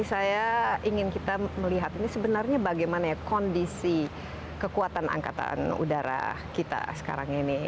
saya ingin kita melihat ini sebenarnya bagaimana ya kondisi kekuatan angkatan udara kita sekarang ini